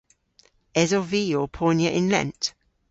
Esov vy ow ponya yn lent?